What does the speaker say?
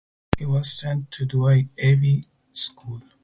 He was sent to Douai Abbey school.